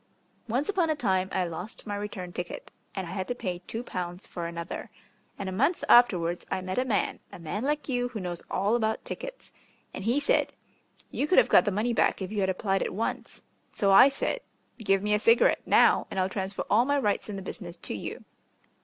Once upon a time I lost my return ticket, and I had to pay two pounds for another. And a month afterwards I met a man a man like you who knows all about tickets and he said, 'You could have got the money back if you had applied at once.' So I said, 'Give me a cigarette now, and I'll transfer all my rights in the business to you.'